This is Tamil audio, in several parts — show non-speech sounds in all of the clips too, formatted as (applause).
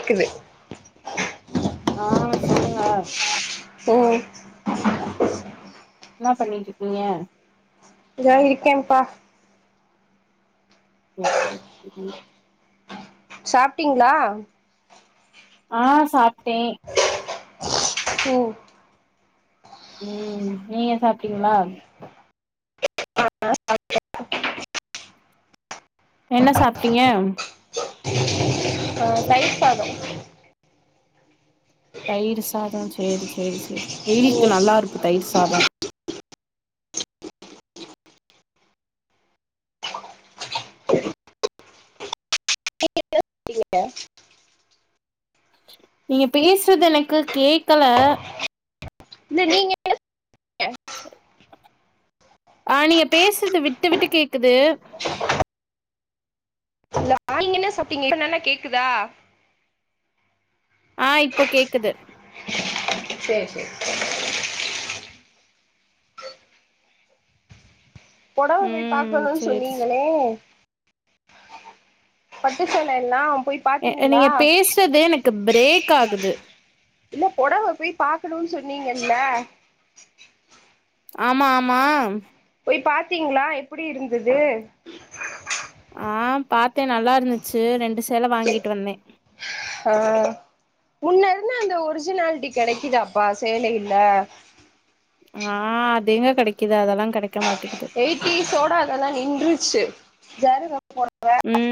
க்குது ஆஹ் சொல்லுங்க ம் னா பண்ணிட்டிர்க்கீங்க இதா இருக்கேன்ப்பா (unintelligible) சாப்டீங்ளா ஆஹ் சாப்டே உ உம் நீங்க சாப்டீங்ளா (unintelligible) என்ன சாப்ட்டீங்க ஆ தையிர் சாதோ தயிர் சாதொ சேரி சேரி சேரி வேய்ல்க்கு நல்லாருக்கு தயிர் சாதோ அப்டில்லெங்கெ நீங்க பேசுறது எனக்கு கேக்கல இ நீங்க ஆஹ் நீங்க பேசுது விட்டு விட்டு கேக்குது நீங்க என்ன சாப்டீங்க இப்போ நல்லா கேக்குதா ஆஹ் இப்போ கேக்குது சரி சரி உடம்ப போய் ம் பாக்கணுனு சேரி சொன்னீங்களே பட்டசால எல்லாம் போய் சே பாத்தீங்களா நீங்க பேசுறது எனக்கு பிரேக் ஆகுது இல்ல பொடவ போய் பாக்கணும்னு சொன்னீங்க இல்ல ஆமா ஆமா போய் பாத்தீங்களா எப்படி இருந்தது ஆ பாத்தே நல்லா இருந்துச்சு ரெண்டு சேல வாங்கிட்டு வந்தே ஆஹ் முன்ன இருந்தா அந்த ஒரிஜினாலிட்டி கெடைக்குதாப்பா சேலைல்ல ஆஹ் அதங்க கெடைக்குது அதெல்லா கெடை எயிட்டிஸோட அதெல்லா நின்றுச்சு ஜாருவ (unintelligible)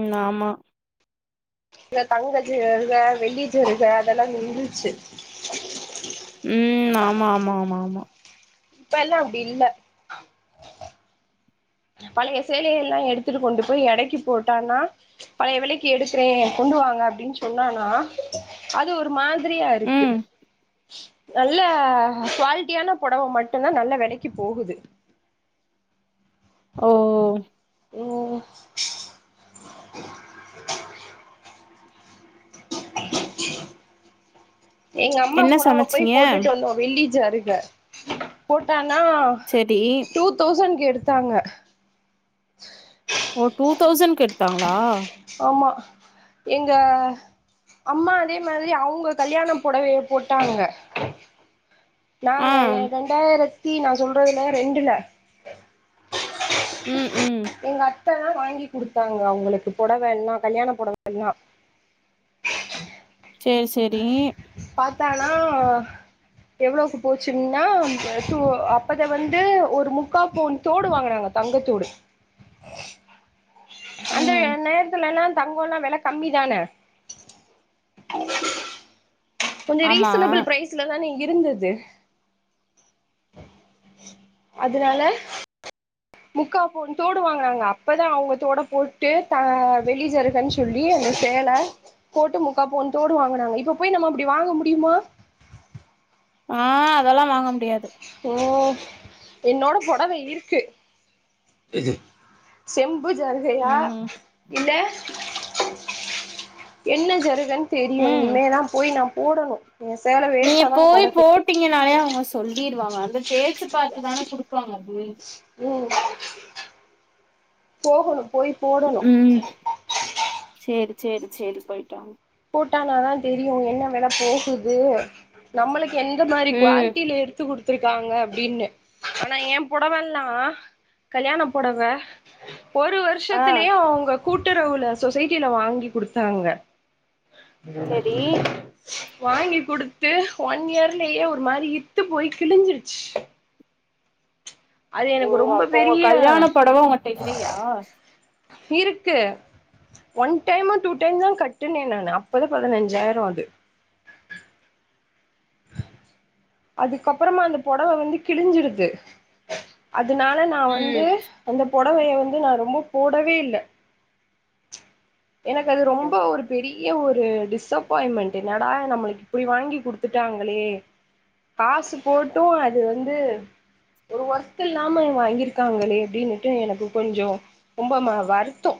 ம் ஆமா தங்கஜரிக வெள்ளி ஜரிக அதெல்லாம் இருந்துச்சு ம் ஆமா ஆமா ஆமா ஆமா இப்ப எல்லா அப்பிடி இல்ல பழைய சேலைய எல்லாம் எடுத்துட்டு கொண்டு போய் எடைக்கு போட்டானா பழைய விலைக்கு எடுக்கிறேன் கொண்டு வாங்க அப்பிடின்னு சொன்னானா அது ஒரு மாதிரியா இருக்கு ம் நல்ல குவாலிட்டியான பொடவை மட்டும்தான் நல்ல வெலைக்கு போகுது ஓ ம் எங்க அம்மா என்ன புடவ போய் சமச்சீங்க? போட்டுட்டு வந்தோம் வெள்ளி (unintelligible) அருக்க போட்டா ண்ணா செரி டூ தௌசண்ட்க்கு எ த்தாங்க ஓ டூ டூ தௌசண்ட்க்கு எடுத்தாங்களா ஆம்மா எங்க அம்மா அதே மாறி அவுங்க கல்யாண பொடவய போட்டாங்க ஆ நாங்க ரெண்டாயிரத்த தி நான் சொல்றதுல்ல ரெண்டுல ம் ம் இப்பதா வாங்கி குடுத்தாங்க அவுங்களுக்கு பொடவ எல்லாம் கல்யாண பொடவ எல்லாம் செரி செரி பாத்தானா எவ்ளோவுக்கு போச்சின்னா து அப்பத வந்து ஒரு முக்கா பவுன் தோடு வாங்குனாங்க தங்கத்தோடு அந்த ம் நேரத்துலல்லா தங்கோல்லா வெல கம்மி தான கொஞ்சோ ஆமா ரீசனபிள் ப்ரைஸ்ல தானே இருந்துது அதனால முக்கா பவுன் தோடு வாங்குனாங்க அப்பதா அவங்க தோட போட்டு த வெள்ளி ஜருகன்னு சொல்லி அந்த சேல போட்டு முக்கா பவுன் தோடு வாங்குனாங்க இப்ப போய் நம்ம அப்டி வாங்க முடியுமா ஆ அதெல்லா வாங்க முடியாது ஓ என்னோட பொடவை இருக்கு செம் பு ஜருகையா ம் இல்ல என்ன ஜருகனு தெரியு ம் இனிமே தா போய் நா போடணு எ சேல நீங்க வேஸ்ட்டாதா போய் கடக்கு போட்டி டிங்கனாலே அவங்க சொல்லிருவாங்க அந்த தேச்சு பாத்துதான குடுப்பவாங்க அப்படி ம் போகணு போய் போடணு ம் சேரி சேரி சேரி போயிட்டு வாங்க போட்டானாதா தெரியு என்ன வெல போகுது நம்மளுக் எந்த மாரி ம் குவாலிட்டியில எடுத்து குடு குத்துருக்காங்க அப்டின்னு ஆனா ஏ பொடவெல்லா கல்யாண பொடவ ஒரு ஆ வருஷத்துலையே அவுங்க கூட்டுறவுல சொசைட்டில வாங்கி குடுத்தாங்க செரி (inaudible) வாங்கி குடுத்து ஒன் இயர்லயே ஒரு மாரி இத்து போய் கிழிஞ்சிருச்சு அது ஓ எனக்கு ரொம்ப அப்ப உங்க பெரிய கல்யாண பொடவ உங்கட்ட இல்லையா இருக்கு ஒன் டைமோ டூ டைம்தா கட்டுன்னே நானு அப்பதா பதினஞ்சாயிரோ அது அதுக்கு அப்பறமா அந்த பொடவ வந்து கிழிஞ்சிருக்கு அதனால நா வந்து ம் அந்த பொடவைய வந்து அ நா ரொம்ப போடவே இல்ல எனக்கு அது ரொம்ப ஒரு பெரிய ஒரு ஒரு டிஸப்பாயின்மெண்ட் என்னடா நம்மளுக்கு இப்புடி வாங்கி குடுத்துட்டாங்களே காசு போட்டு அது வந்து ஒரு ஒர்த் இல்லாம இவுங்க வாங்கியிருக்காங்களே அப்டின்னுட்டு எனக்கு கொஞ்சோ ரொம்ப ம வருத்தோ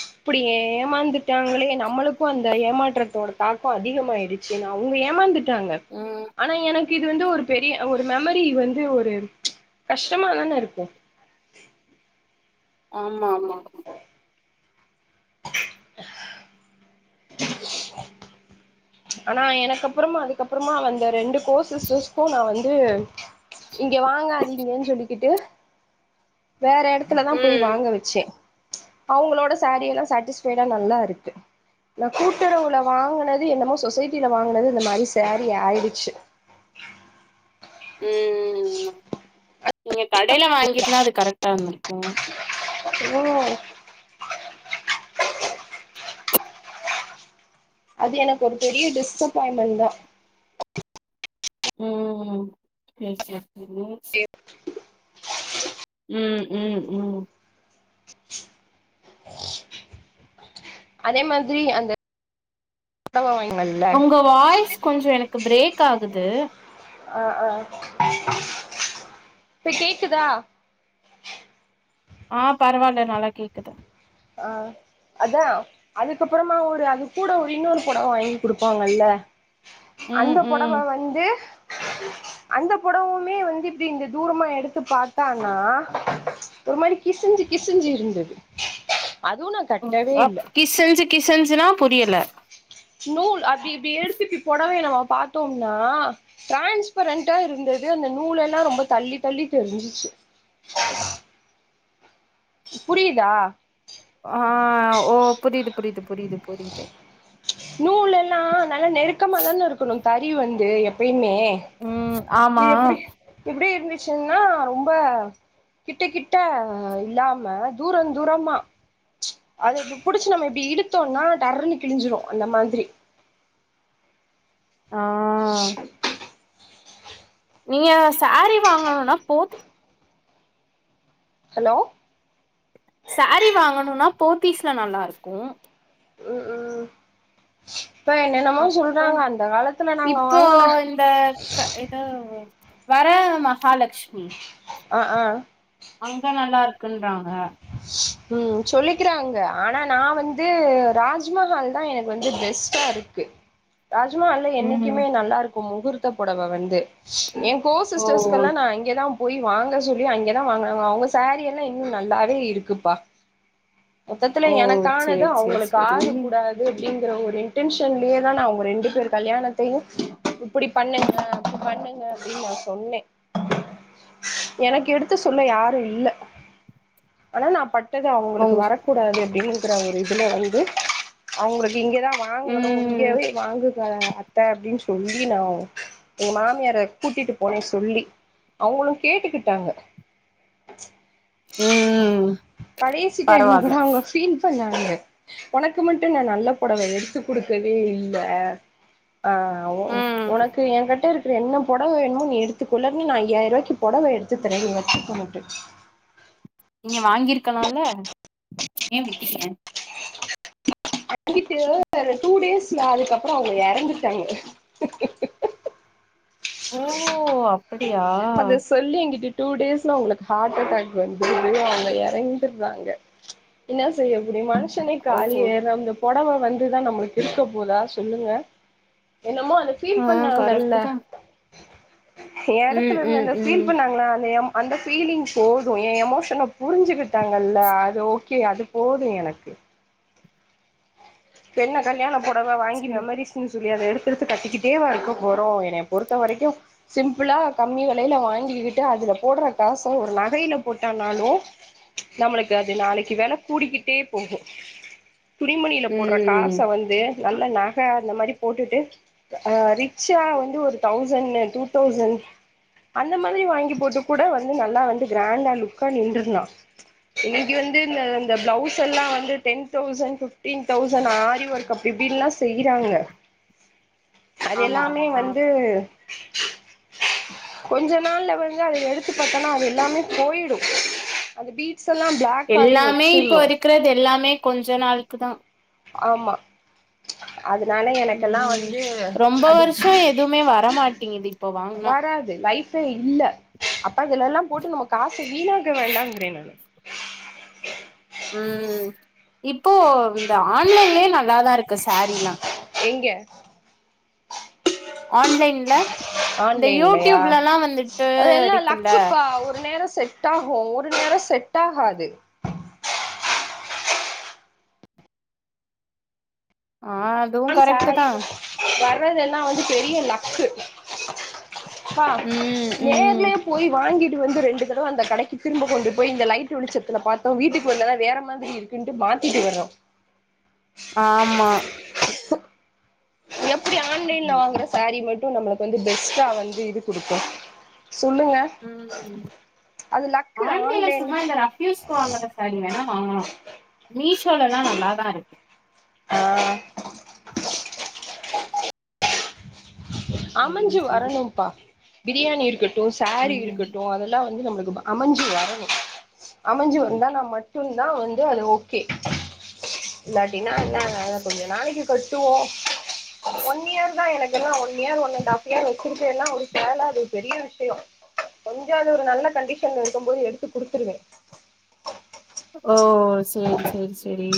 இப்புடி ஏமாந்துட்டாங்களே நம்மளுக்கு அந்த ஏமாற்றத்தோட தாக்கோ அதிகமாயிருச்சு நா அவுங்க ஏமாந்துட் டாங்க ம் ஆனா எனக்கு இது வந்து ஒரு பெரிய ஒரு மெமரி வந்து ஒரு கஷ்டமாதான இருக்கும் ஆமா ஆமா (unintelligible) (inaudible) ஆனா எனக்குப்பறமா அதுக்கப்பறமா வந்த ரெண்டு கோர்சஸ்கும் நா வந்து இங்க வாங்காதீங்கனு சொல்லிக்கிட்டு வேற எடத்துலதா போய் ம் வாங்க வச்சே அவுங்களோட ஃசாரீ எல்லா ஃஸ்டட்டிஸ்பைடா நல்லா இருக்கு நா கூட்டுறவுல வாங்குனது என்னமோ சொசைட்டில வாங்குனது இந்த மாரி ஃசாரீ ஆயிடுச்சு ம் ம் ம் நீங்க கடையில வாங்கியிருந்தா அது கரெக்டா இருந்துருக்கு ம் அது எனக்கு ஒரு பெரிய டிஸப்பாயின்மென்ட் தா ம் ம் செரி செரி ம் ம் ம் ம் அதே மாதிரி அந்த (unintelligible) வாங்கி உங்க வாய்ஸ் கொஞ்சோ எனக்கு ப்ரேக் ஆகுது ஆ ஆ இப்ப கேக்குதா ஆ பரவால்ல நல்லா கேக்குது அ அதா அதுக்குக்கப்பறமா ஒரு அது கூட ஒரு இன்னொரு பொடவ வாங்கி குடுப்பாங்கல்ல ம் அந்த பொடவ ம் வந்து அந்த பொடவூமே வந்து இப்டி இந்த தூரமா எடுத்து பாத்தானா ஒரு மாரி கிசிஞ்சு கிசிஞ்சு இருந்துது அ கிசிஞ்சு கிசிஞ்சுன்னா புரியல நூல் அப்டி இப்டி எடுத்துட்டு பொடவய நமோ பாத்தோன்னா டிரான்ஸ்பரண்டா இருந்துது அந்த நூலல்லா ரொம்ப தள்ளி தள்ளி தெரிஞ்சுச்சு புரியுதா ஆ ஓ புரிது புரிது புரிது புரியுது நூலல்லா நல்லா நெருக்கமா தானருக்கணூ தறி வந்து எப்பயூ மே ம் ஆமா இது எப்டி எப்டிருந்து சுன்னா ரொம்ப கிட்ட கிட்ட இல்லாம தூரந்தூரமா அது இப்டி புடிச்சு நம்ம இப்டி இழுத்தோன்னா டர்ருனு கிழிஞ்சிரூ அந்த மாரி ஆ நீங்க சாரி வாங்கணுனா போத் ஹலோ சாரி வாங்கணுனா போ்த்தீஸ்ல நல்லாருக்கூ ம் ம் இப்ப என்னென்னமோ அப்ப சொல்றாங்க அந்த காலத்துல நாங்க இப்போ வாங்குன இந்த க ஏதோ வர மஹாலட்சுமி ஆ ஆ அங்க நல்லாருக்கூன்றாங்க ம் சொல்லிக்கிறாங்க ஆனா நா வந்து ராஜ்மஹால் தா எனக்கு வந்து பெஸ்டா இருக்கு ராஜ்மஹால்ல ம் என்னைக்குமே நல்லாருக் கூ முகூர்த்த பொடவ வந்து ஏங் கோ ஓ சிஸ்டர்ஸ்கெல்லா நா அங்கேதா போய் வாங்க சொல்லி அங்கதா வாங்குனாங்க அவங்க சாரி எல்லா இன்னூ நல்லாவே இர்க்குப்பா மொத்தத்துல ஓ எனக்கானது சேரி சேரி அவுங்களுக்கு சேரி ஆகக்கூடாது அப்டிங்கிற ஒரு இன்டென்ஷன்லியேதா நா உங்க ரெண்டு பேர் கல்யாணத்தையூ இப்டி பண்ணேங்க அப்டி பண்ணேங்க அப்டின் நா சொன்னே எனக்கு எடுத்து சொல்ல யாரூ இல்ல ஆனா நா பட் டது அவுங்களுக்கு உங் வரக்கூடாது அப்டின் க்ற ஒரு இதுல வந்து அவுங்களுக் இங்கதா வாங்கணூ ம் இங்கவே வாங்கு க அத்த அப்டின் சொல்லி நா எங்க மாமியார கூட்டிட்டு போனே சொல்லி அவங்களூ கேட்டுக்கிட்டாங்க ம் கடைசிட்ட என்ன பரவால்ல கூட அவுங்க ஃபீல் பண்ணாங் ங்க உனக்கு மட்டூ நா நல்ல பொடவ எடுத்து குடுக்கவே இல்ல ஆ ஒ ம் ஒனக்கு ஏங்கிட்டருக் ட்றே என்ன பொடவ வேணுமோ நீ எடுத்துக்கொள்ளன் நா ஐயாயிரூவாய்க்கி பொடவ எடுத்து தர்றே நீங்க வச்சுக்கோன்ட்டு நீங்க வாங்கிருக்கலால்ல ஏ விட்டேங்க அங்கிட்டு டூ டேஸ்ல அதுக்கப்புறம் அவங்க இறந்துட்டாங்க ஓ அப்படியா அத சொல்லி என்கிட்ட டூ டேஸ்ல உங்களுக்கு ஹார்ட் அட்டாக் வந்து அவங்க இறங்கிருறாங்க என்ன செய்ய முடியு மனு ச்சனை ஓஹோ காலிய இந்த புடவ வந்துதா நம்மளுக்கு இருக்க போதா சொல்லுங்க என்னமோ அதை ஆ ஃபீல் பண்ணாங்கல்ல கரெக்ட் தா எ இடத்துல ம் இருந்து ம் அந்த ஃபீல் ம் பண்ணாங்களா அந்த அந்த ஃபீலிங் போதும் எ எமோஷன புரிஞ்சுகிட்டாங்கல்ல அது ஓகே அது போதும் எனக்கு என்ன கல்யாண பு டவ வாங்கி சேரி மெமரிஸஷ்னு தோழி அத எடுத்து எடுத்து கட்டிக்கிட்டே வா இருக்க போறோம் என் பொறுத்த வரைக்கும் சிம்பிளா கம்மி விலையில வாங்கிக்கிட்டு அதுல போடுற காச ஒரு நகையில போட்டானாலும் நம்மளுக்கு அது நாளைக்கு வில கூடிக்கிட்டே போகும் போடுற காச ம் வந்து நல்ல நக அந்த மாதிரி போட்டுட்டு அ ரிச்சா வந்து ஒரு தௌசண்ட் டூ தௌசண்ட் அந்த மாதிரி வாங்கி போட்டு கூட வந்து நல்லா வந்து கிராண்டா லுக்கா நின்றுருந்தா இன்னைக்கு வந்து இந்த பிளவுஸ் எல்லாம் வந்து ten thousand fifteen thousand aari work இப்படின்ல்லா செய்யறாங்க அது ஆமா எல்லாமே ஆமா வந்து கொஞ்ச நாள்ல வந்து அத எடுத்துப்பத்தோனா அது எல்லாமே போயிடும் அது பீ எல்லாமே இப்ப இருக்கிறது எல்லாமே கொஞ்ச நாள் கி தா ஆமா அதனால எனக்கெல்லா உம் வந்து ரொம்ப அது வருஷம் எதுவுமே வரமாட் டீகிது வராது லைஃபே இல்ல அப்ப இதுல எல்லா போட்டு நம்ம காசு வீணாக வேண்டாங்கிறே நானு ம் இப்போ இந்த ஆன்லைன்லயே நல்லாதா இருக்கு க சாரில்லா எங்க ஆன்லைன்ல இந்த ஆன்லைன்லயா யூடியூப்லல்லா வந்துட்டு இருக்குல்ல செட்டாகு ஒரு நேர செட் ஆகாது ஆ அதுவு அந் கரெக்ட் சாரி தா வ வ ர்றதெல்லா வந்து பெரிய லக்கு பா ம் ம் நேர்லயே போய் வாங்கி ட்டு வந்து ரெண்டு தடவ அந்த கடைக்கு திரும்ப கொண்டு போய் இந்த லைட் வெளிச்சத்துல பாத்தோ வீட்டுக்கு வெளிலலா வேற மாதிரி இருக்குன்ட்டு மாத்திட்டு வர்றோ ஆமா எம் இப்டி ஆன்லைன்ல வாங்குற சேரீ மட்டும் நம்மளுக்கு வந்து பெஸ்ட்டா வந்து இது குடுக்கு சொல்லுங்க உஹம் அது லக்கு ஆன்லைன்ல ஆன்லைன் சும்மா இ ரஃபயூஸ்க்கு வாங்குற சேரீ தான ஆ மீஷோலல்லா நல்லாதா இருக்கு ஆஹ் சேரி அமஞ்சு சேரி வரணும்ப்பா பிரியாணி இருக்குட் ட்டு சேரீ ம் இருக்கட்டு அதெல்லா வந்து நம்மளுக்கு அமஞ்சு வரணு அமஞ்சு வந்தா நா மட்டும் தா அது வந்து அது ஓகே இல்லாட்டினா என்ன அத கொஞ்சோ நாளிக்கு கட்டுவோ ஒன் இயர் தா என என் ஒன் இயர் ஒன்னன்டாவ் இயர் வெச்சிருச்ச எல்லா ஒரு சேல அது பெரிய விஷயம் கொஞ்சோ அது ஒரு நல்ல கண்டிஷன்ல இருக்கும் போது எடுத்து குடுத்துருவே ஓ சேரி சேரி சேரி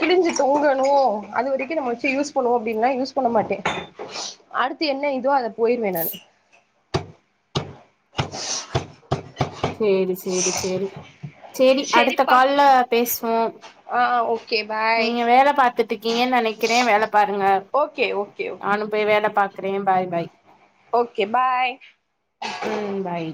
கிழஞ்சு தொங்கணு அது வரைக்கு நம்ம வெச்சு யூஸ் பண்ணுவோ அப்டின்லா யூஸ் பண்ண மாட்டே அடுத்து என்ன இதோ அத போய்ருவ நானு சேரி சேரி சேரி சேரி அடுத்த செரிப்பா கால்ல பேசுவோ ஆ ஓகே பாய் நீங்க வேல பாத்துட்டுக்கீங்கன்னு நெனைக்கிற வேல பாருங்க ஓகே ஓகே ஓகே நானும் போய் வேல பாக்குறே பாய் பாய் ஓகே பாய் ம் பாய்